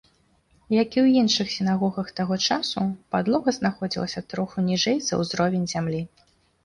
Як і ў іншых сінагогах таго часу, падлога знаходзілася троху ніжэй за ўзровень зямлі.